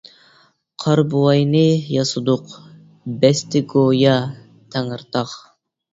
قار بوۋاينى ياسىدۇق، بەستى گويا تەڭرىتاغ.